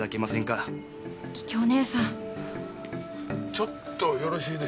ちょっとよろしいでしょうか。